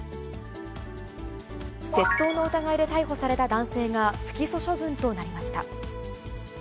窃盗の疑いで逮捕された男性が不起訴処分となりました。